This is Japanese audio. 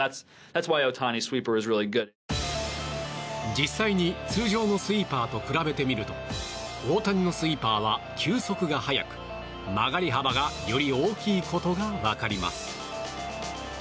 実際に、通常のスイーパーと比べてみると大谷のスイーパーは球速が速く曲がり幅がより大きいことが分かります。